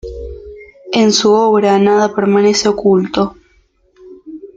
En su obra nada permanece oculto.